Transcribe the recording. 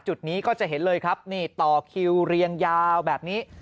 จุดนี้ก็จะเห็นเลยครับนี่ต่อคิวเรียงยาวแบบนี้